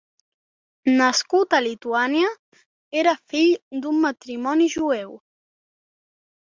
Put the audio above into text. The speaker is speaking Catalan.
Nascut a Lituània, era fill d'un matrimoni jueu.